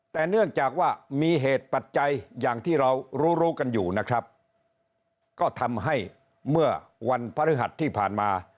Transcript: แต่เนื่องจากว่ามีเหตุปัจจัยอย่างที่เรารู้รู้กันอยู่นะครับก็ทำให้เมื่อวันพฤหัสที่ผ่านมา